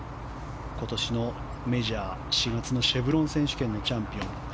今年のメジャー４月のシェブロン選手権のチャンピオン。